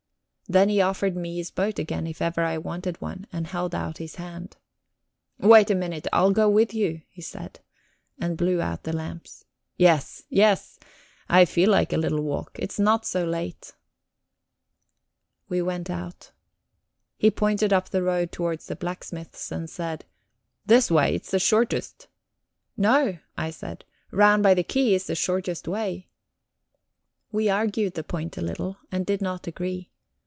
Then he offered me his boat again if ever I wanted one, and held out his hand. "Wait a minute I'll go with you," he said, and blew out the lamps. "Yes, yes, I feel like a little walk. It's not so late." We went out. He pointed up the road towards the blacksmith's and said: "This way it's the shortest." "No," I said. "Round by the quay is the shortest way." We argued the point a little, and did not agree.